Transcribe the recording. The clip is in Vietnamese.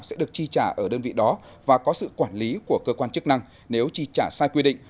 sẽ được chi trả ở đơn vị đó và có sự quản lý của cơ quan chức năng nếu chi trả sai quy định